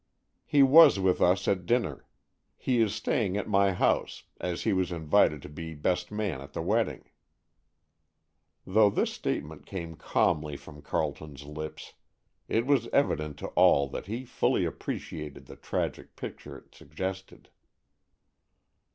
"He was with us at dinner. He is staying at my house, as he was invited to be best man at the wedding." Though this statement came calmly from Carleton's lips, it was evident to all that he fully appreciated the tragic picture it suggested.